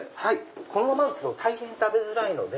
このままですと食べづらいので。